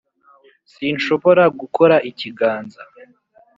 sinshobora gukora ikiganza